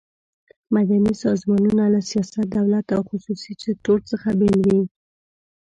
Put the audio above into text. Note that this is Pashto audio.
مدني سازمانونه له سیاست، دولت او خصوصي سکټور څخه بیل وي.